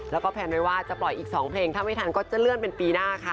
แล้วก็แพลนไว้ว่าจะปล่อยอีก๒เพลงถ้าไม่ทันก็จะเลื่อนเป็นปีหน้าค่ะ